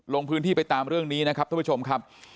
ลงพื้นที่ไปตามเรื่องนี้นะครับท่านผู้ชมครับ